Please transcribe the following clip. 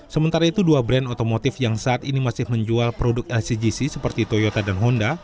sementara itu dua brand otomotif yang saat ini masih menjual produk lcgc seperti toyota dan honda